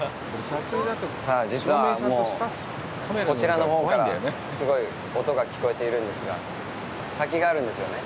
さあ実はもう、こちらのほうからすごい音が聞こえているんですが滝があるんですよね。